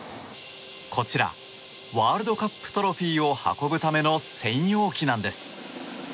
こちらワールドカップトロフィーを運ぶための専用機なんです。